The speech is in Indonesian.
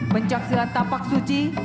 pencaksilat tapak suci